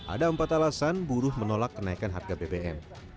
ada empat alasan buruh menolak kenaikan harga bbm